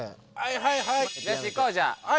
はいはいはい。